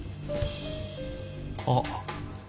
あっ！